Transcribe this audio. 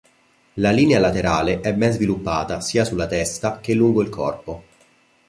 La linea laterale è ben sviluppata sia sulla testa che lungo il corpo.